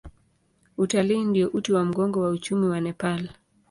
Utalii ndio uti wa mgongo wa uchumi wa Nepal.